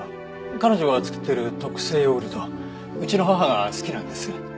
彼女が作っている特製ヨーグルトうちの母が好きなんです。